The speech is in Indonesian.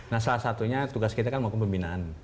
nah salah satunya tugas kita kan melakukan pembinaan